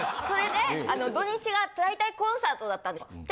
それで土日が大体コンサートだったんですよ。